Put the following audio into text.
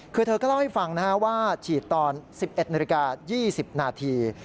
คือเธอก็เล่าให้ฟังว่าฉีดตอน๑๑นาฬิกา๒๐นาที